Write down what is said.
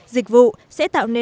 dịch vụ sẽ tạo nên